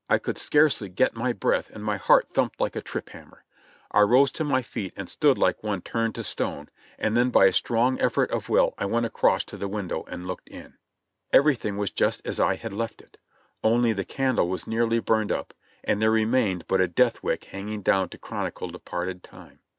1 could scarcely get my breath and my heart thumped like a trip hammer. I rose to my feet and stood like one turned to stone, and then by a strong effort of will I went across to the window and looked in. Everything was just as I had left it, only the candle was nearly burned up, and there remained but a death wick hanging down to chronicle departed time.